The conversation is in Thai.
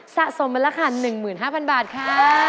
สะสมเป็นราคา๑๕๐๐๐บาทค่ะ